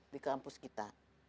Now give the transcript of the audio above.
di kampus kita